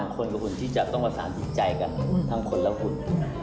คนกับคุณที่จะต้องประสานจิตใจกันทั้งคนและคุณ